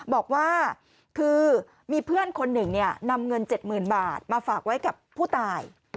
บอกว่าคือมีเพื่อนคนหนึ่งเนี่ยนำเงินเจ็ดหมื่นบาทมาฝากไว้กับผู้ตาย